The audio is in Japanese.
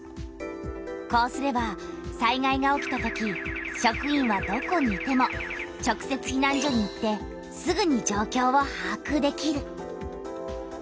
こうすれば災害が起きたとき職員はどこにいても直せつひなん所に行ってすぐに状況をはあくできる。